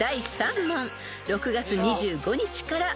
［６月２５日から問題］